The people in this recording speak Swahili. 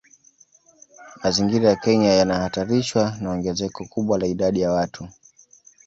Mazingira ya Kenya yanahatarishwa na ongezeko kubwa la idadi ya watu